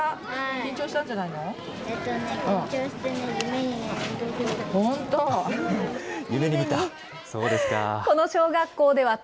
緊張したんじゃないの？